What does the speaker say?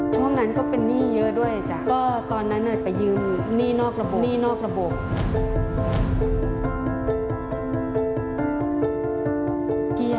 คุณแม่คนนี้คุณแม่คนนี้คุณแม่คนนี้คุณแม่คนนี้